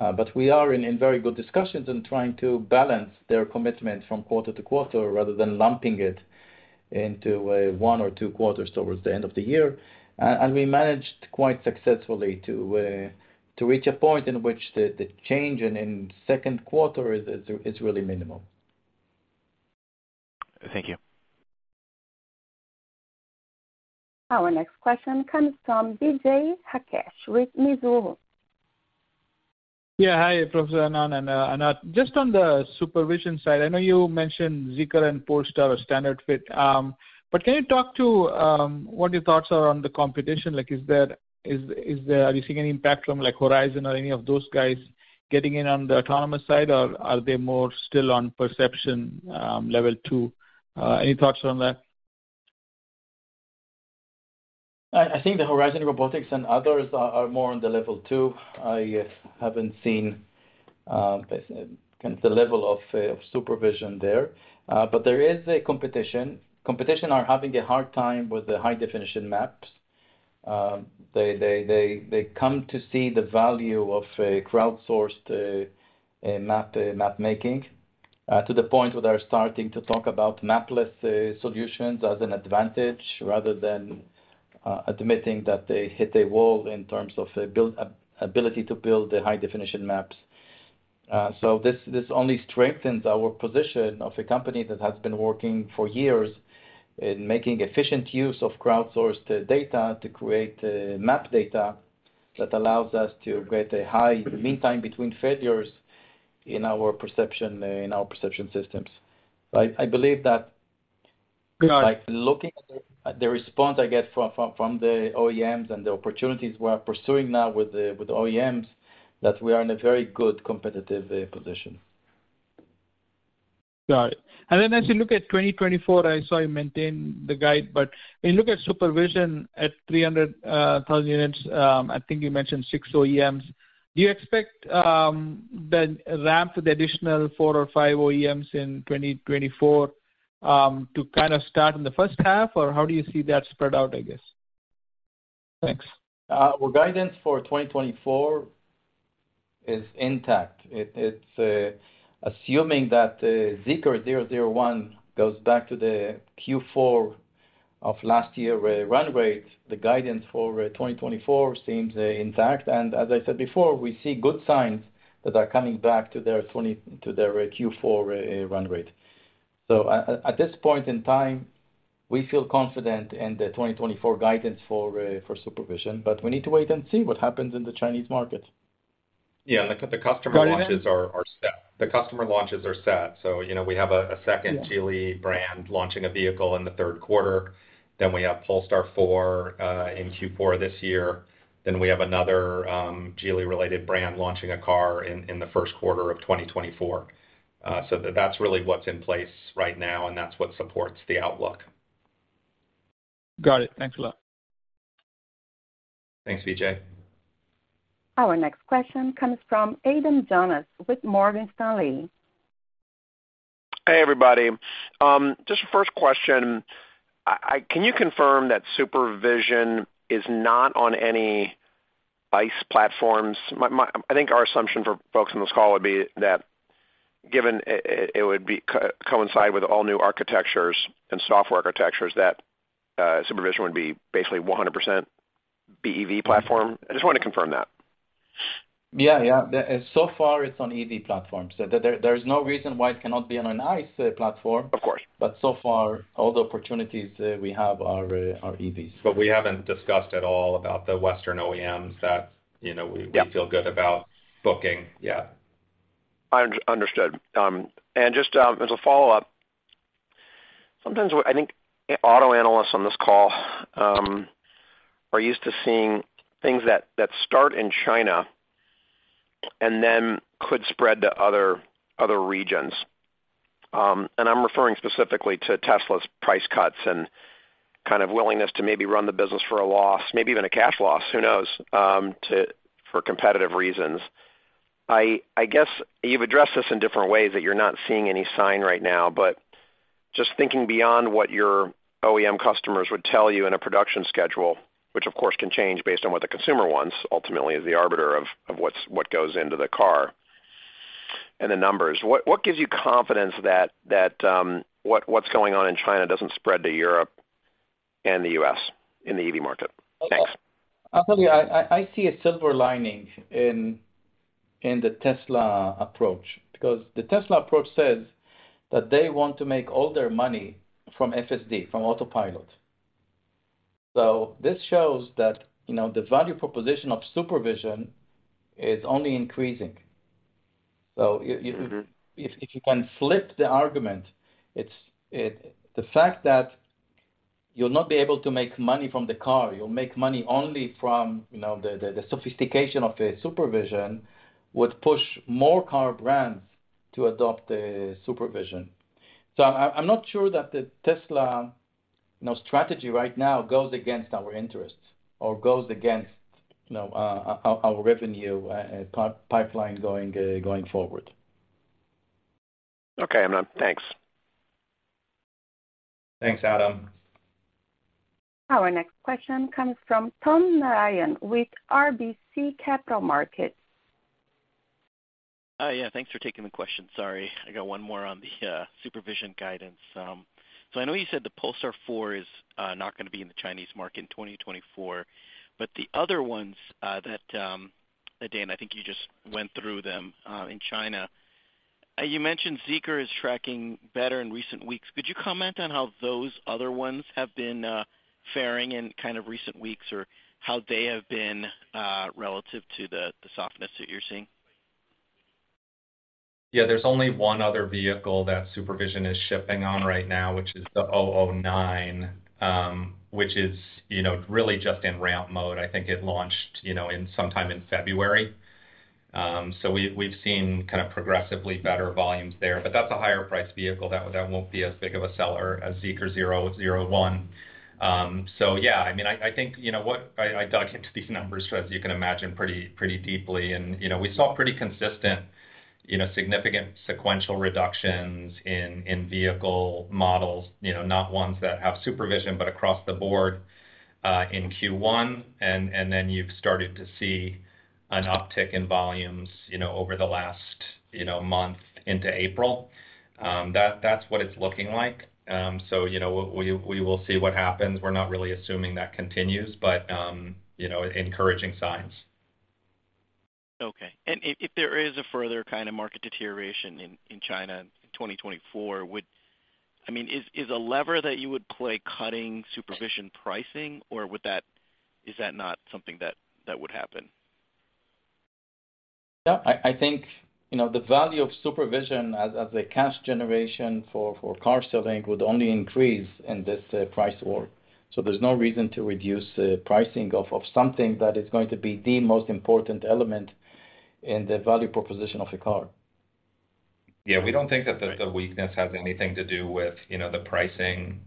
Right. But we are in very good discussions in trying to balance their commitment from quarter to quarter rather than lumping it into one or two quarters towards the end of the year. We managed quite successfully to reach a point in which the change in Q2 is really minimal. Thank you. Our next question comes from Vijay Rakesh with Mizuho. Hi, Amnon Shashua and Anat. Just on the SuperVision side, I know you mentioned Zeekr and Polestar are standard fit. But can you talk to what your thoughts are on the competition? Like, are you seeing any impact from, like, Horizon or any of those guys getting in on the autonomous side? Are they more still on perception, Level 2? Any thoughts on that? I think the Horizon Robotics and others are more on the Level 2. I haven't seen basically the level of SuperVision there. But there is a competition. Competition are having a hard time with the high-definition maps. They come to see the value of a crowdsourced map making to the point where they're starting to talk about mapless solutions as an advantage rather than admitting that they hit a wall in terms of ability to build the high-definition maps. This only strengthens our position of a company that has been working for years in making efficient use of crowdsourced data to create map data that allows us to get a high mean time between failures in our perception systems. I believe that. Got it. Like looking at the response I get from the OEMs and the opportunities we're pursuing now with the OEMs, that we are in a very good competitive position. Got it. And as you look at 2024, I saw you maintain the guide, but when you look at SuperVision at 300,000 units, I think you mentioned six OEMs. Do you expect the ramp with the additional four or five OEMs in 2024 to kind of start in the first half? Or how do you see that spread out, I guess? Thanks. Well, guidance for 2024 is intact. It, it's assuming that Zeekr 001 goes back to the Q4 of last year re-run rate. The guidance for 2024 seems intact. As I said before, we see good signs that are coming back to their Q4 run rate. So, at this point in time, we feel confident in the 2024 guidance for for SuperVision, but we need to wait and see what happens in the Chinese market. Yeah, the customer launches. Go ahead.... are set. The customer launches are set. you know, we have Yeah... Geely brand launching a vehicle in the Q3. We have Polestar 4, in Q4 this year. Then we have another, Geely-related brand launching a car in the Q1 of 2024. That's really what's in place right now, and that's what supports the outlook. Got it. Thanks a lot. Thanks, Vijay. Our next question comes from Adam Jonas with Morgan Stanley. Hey, everybody. Just a first question. Can you confirm that SuperVision is not on any ICE platforms? I think our assumption for folks on this call would be that given it would be coincide with all new architectures and software architectures, that SuperVision would be basically 100% EV platform. I just wanted to confirm that. Yeah, yeah. Far it's on EV platforms. There's no reason why it cannot be on an ICE platform. Of course. So far, all the opportunities, we have are EVs. We haven't discussed at all about the Western OEMs that, you know. Yeah... we feel good about booking. Yeah. Under-understood. Just, as a follow-up. Sometimes what I think auto analysts on this call, are used to seeing things that start in China and then could spread to other regions. I'm referring specifically to Tesla's price cuts and kind of willingness to maybe run the business for a loss, maybe even a cash loss, who knows, for competitive reasons. I guess you've addressed this in different ways, that you're not seeing any sign right now, but just thinking beyond what your OEM customers would tell you in a production schedule, which of course can change based on what the consumer wants, ultimately, is the arbiter of what's, what goes into the car and the numbers. What gives you confidence that, what's going on in China doesn't spread to Europe and the U.S. in the EV market? Thanks. I'll tell you, I see a silver lining in the Tesla approach, because the Tesla approach says that they want to make all their money from FSD, from Autopilot. This shows that, you know, the value proposition of SuperVision is only increasing. Mm-hmm... if you can flip the argument, it's the fact that you'll not be able to make money from the car, you'll make money only from, you know, the sophistication of the SuperVision, would push more car brands to adopt the SuperVision. I'm not sure that the Tesla, you know, strategy right now goes against our interests or goes against, you know, our revenue pipeline going forward. Okay, I'm done. Thanks. Thanks, Adam. Our next question comes from Tom Narayan with RBC Capital Markets. Yeah, thanks for taking the question. Sorry, I got one more on the SuperVision guidance. I know you said the Polestar 4 is not gonna be in the Chinese market in 2024, but the other ones that Dan, I think you just went through them in China. You mentioned Zeekr is tracking better in recent weeks. Could you comment on how those other ones have been faring in kind of recent weeks or how they have been relative to the softness that you're seeing? Yeah. There's only one other vehicle that SuperVision is shipping on right now, which is the Zeekr 009, which is, you know, really just in ramp mode. I think it launched, you know, in sometime in February. So we've seen kind of progressively better volumes there. That's a higher priced vehicle. That won't be as big of a seller as Zeekr 001. Yeah, I mean, I think, you know what, I dug into these numbers, as you can imagine, pretty deeply. You know, we saw pretty consistent, you know, significant sequential reductions in vehicle models, you know, not ones that have SuperVision, but across the board in Q1. Then you've started to see an uptick in volumes, you know, over the last, you know, month into April. That's what it's looking like. So, you know, we will see what happens. We're not really assuming that continues, but, you know, encouraging signs. Okay. If there is a further kind of market deterioration in China in 2024, I mean, is a lever that you would play cutting SuperVision pricing, or is that not something that would happen? Yeah. I think, you know, the value of SuperVision as a cash generation for car selling would only increase in this price war. So there's no reason to reduce the pricing of something that is going to be the most important element in the value proposition of a car. Yeah, we don't think that the weakness has anything to do with, you know, the pricing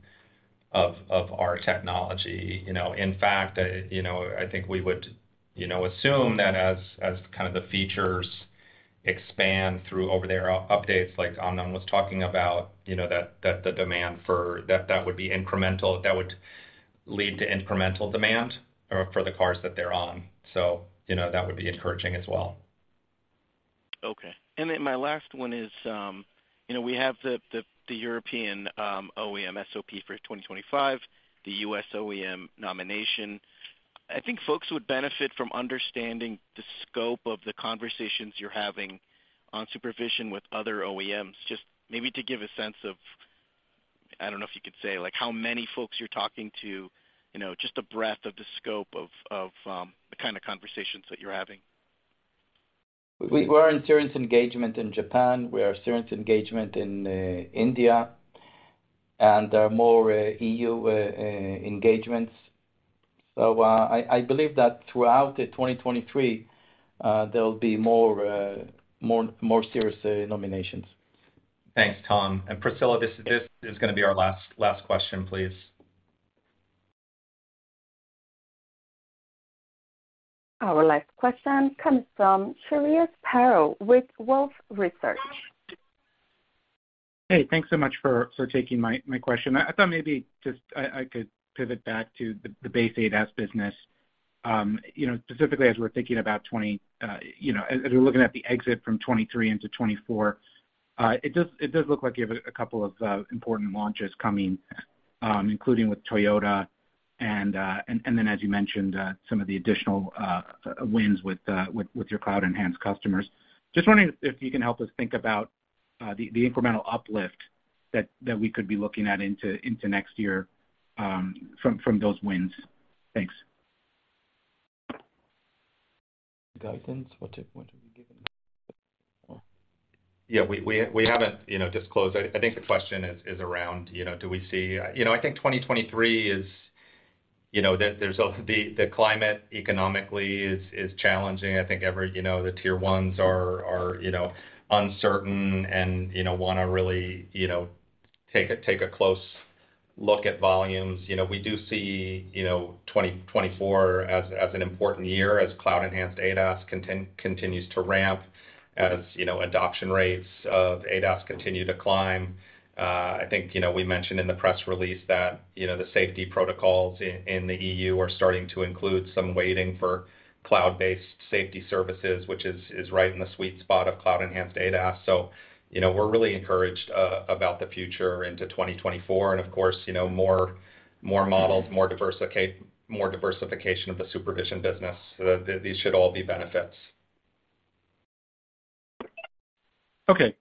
of our technology. You know, in fact, you know, I think we would, you know, assume that as kind of the features expand through over their updates like Amnon was talking about, you know, that would be incremental, that would lead to incremental demand or for the cars that they're on. So, you know, that would be encouraging as well. Okay. My last one is, you know, we have the European OEM SOP for 2025, the U.S. OEM nomination. I think folks would benefit from understanding the scope of the conversations you're having on SuperVision with other OEMs, just maybe to give a sense of, I don't know if you could say, like, how many folks you're talking to, you know, just the breadth of the scope of the kind of conversations that you're having. We're in serious engagement in Japan. We are serious engagement in India. And there are more EU engagements. I believe that throughout the 2023, there'll be more serious nominations. Thanks, Tom. Priscilla, this is gonna be our last question, please. Our last question comes from Shreyas Patil with Wolfe Research. Hey, thanks so much for taking my question. I thought maybe just I could pivot back to the base ADAS business. You know, specifically as we're thinking about 2020, as we're looking at the exit from 2023 into 2024, it does look like you have a couple of important launches coming, including with Toyota and then as you mentioned, some of the additional wins with your Cloud-Enhanced customers. Just wondering if you can help us think about the incremental uplift that we could be looking at into next year from those wins. Thanks. Guidance. What's it going to be giving? Yeah. We haven't, you know, disclosed. I think the question is around, you know, do we see. You know, I think 2023 is, you know, there's the climate economically is challenging. I think every, you know, the tier ones are, you know, uncertain and, you know, wanna really, you know, take a, take a close look at volumes. You know, we do see, you know, 2024 as an important year as Cloud-Enhanced ADAS continues to ramp, as, you know, adoption rates of ADAS continue to climb. I think, you know, we mentioned in the press release that, you know, the safety protocols in the EU are starting to include some waiting for cloud-based safety services, which is right in the sweet spot of Cloud-Enhanced ADAS. So, you know, we're really encouraged about the future into 2024. Of course, you know, more models, more diversification of the SuperVision business. These should all be benefits. Okay.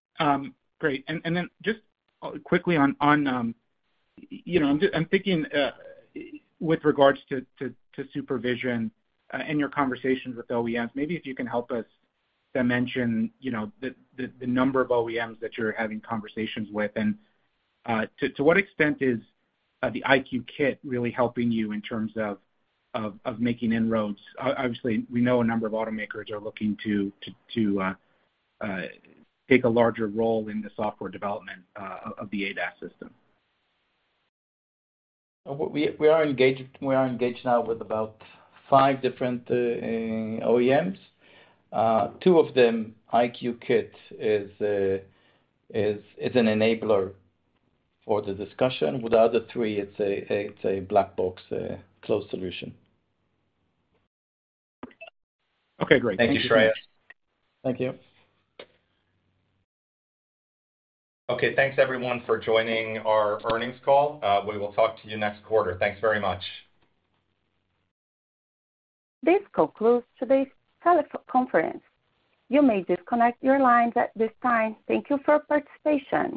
Great. Then just, you know, I'm thinking, with regards to SuperVision, and your conversations with OEMs, maybe if you can help us dimension, you know, the number of OEMs that you're having conversations with. To what extent is the EyeQ Kit really helping you in terms of making inroads? Obviously, we know a number of automakers are looking to take a larger role in the software development of the ADAS system. We are engaged now with about five different OEMs. Two of them, EyeQ Kit is an enabler for the discussion. With the other three, it's a black box, closed solution. Okay. Great. Thank you, Shreyas. Thank you. Okay. Thanks everyone for joining our earnings call. We will talk to you next quarter. Thanks very much. This concludes today's teleconference. You may disconnect your lines at this time. Thank you for participation.